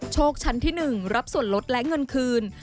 ชั้นที่๑รับส่วนลดและเงินคืน